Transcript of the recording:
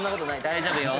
大丈夫よ。